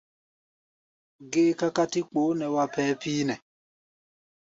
Géé kakatí kpoo nɛ wá pɛɛ píínɛ́ʼɛ!